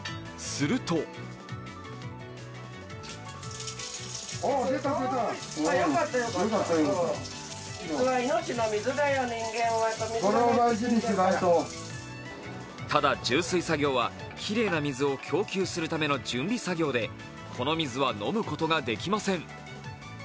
するとただ、充水作業はきれいな水を供給するための準備作業でこの水は飲むことができません。